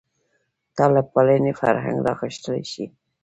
طالب پالنې فرهنګ لا غښتلی شي.